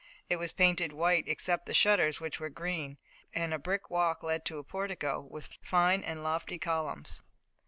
It was painted white, except the shutters which were green, and a brick walk led to a portico, with fine and lofty columns.